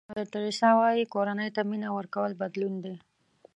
مادر تریسیا وایي کورنۍ ته مینه ورکول بدلون دی.